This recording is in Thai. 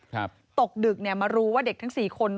ตกดึกมารู้ว่าเด็กทั้ง๔คน